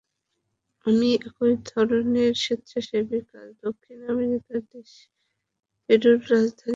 আমি একই ধরনের স্বেচ্ছাসেবী কাজ দক্ষিণ আমেরিকার দেশ পেরুর রাজধানী লিমাতেও করি।